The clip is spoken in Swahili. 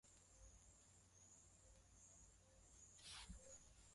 Vinundu vya saizi mbalimbali hutokea kokote kwenye ngozi